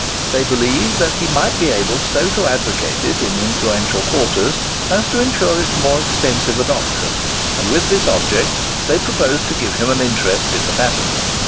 They believed that he might be able so to advocate it in influential quarters as to ensure its more extensive adoption, and with this object they proposed to give him an interest in the patent.